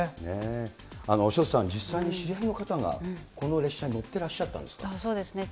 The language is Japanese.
潮田さん、実際に知り合いの方がこの列車に乗ってらっしゃったんですって？